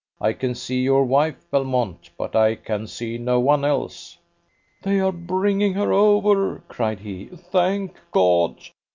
"I can see your wife, Belmont, but I can see no one else." "They are bringing her over," cried he. "Thank God!